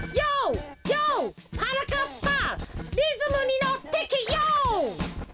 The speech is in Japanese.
「リズムにのってけヨー！」